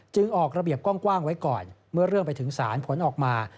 ออกระเบียบกว้างไว้ก่อนเมื่อเรื่องไปถึงศาลผลออกมา